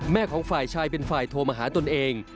ของฝ่ายชายเป็นฝ่ายโทรมาหาตนเอง